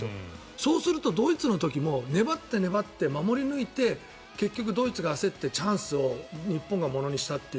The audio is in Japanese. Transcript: そうするとドイツの時も粘って、粘って守り抜いて結局、ドイツが焦ってチャンスを日本がものにしたっていう。